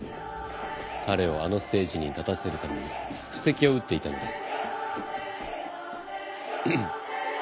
彼をあのステージに立たせるために布石を打っていたのです。